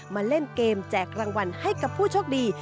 มาเล่นเกมแจกรางวัลให้กับผู้โชคดี